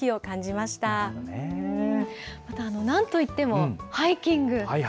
またなんといってもハイキング。